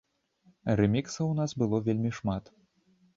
Рэміксаў у нас было вельмі шмат.